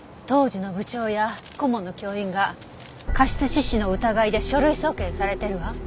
当時の部長や顧問の教員が過失致死の疑いで書類送検されてるわ。